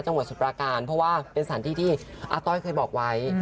จังหวัดสุปราการเพราะว่าเป็นสถานที่ที่อาต้อยเคยบอกไว้